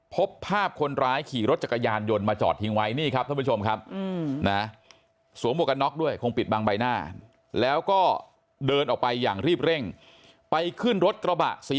พบภาพคนร้ายขี่รถจักรยานยนต์มาจอดทิ้งไว้นี่ครับท่านผู้ชมครับ